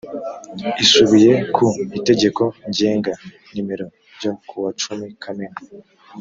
isubiye ku itegeko ngenga nimero ryo kuwa cumi kamena